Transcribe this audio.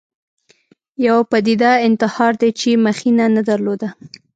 یوه پدیده انتحار دی چې مخینه نه درلوده